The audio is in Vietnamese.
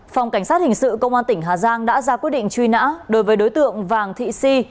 phòng cảnh sát hình sự công an tỉnh hà giang đã ra quyết định truy nã đối với đối tượng vàng thị si